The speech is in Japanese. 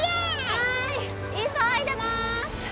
はーい急いでまーす